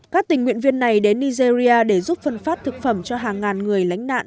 các tình nguyện viên này đến nigeria để giúp phân phát thực phẩm cho hàng ngàn người lánh nạn